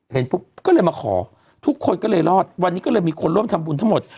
ปุ๊บก็เลยมาขอทุกคนก็เลยรอดวันนี้ก็เลยมีคนร่วมทำบุญทั้งหมด